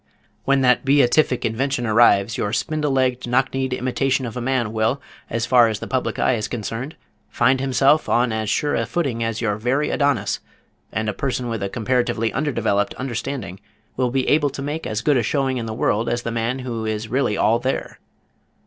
When that beatific invention arrives your spindle legged, knock kneed imitation of a man will, as far as the public eye is concerned, find himself on as sure a footing as your very Adonis, and a person with a comparatively under developed understanding will be able to make as good a showing in the world as the man who is really all there.